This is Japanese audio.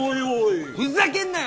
ふざけんなよ